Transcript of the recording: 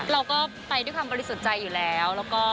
เราก็ไปด้วยความบริสุทธิ์ใจอยู่แล้ว